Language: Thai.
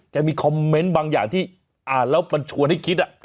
มีคอมเมนต์บางอย่างที่อ่านแล้วมันชวนให้คิด